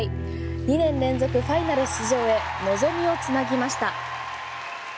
２年連続ファイナル出場へ望みを繋ぎました。